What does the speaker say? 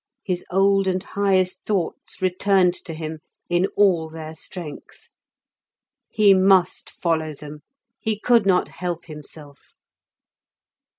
His old and highest thoughts returned to him in all their strength. He must follow them, he could not help himself.